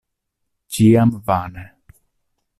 Ĉiam vane.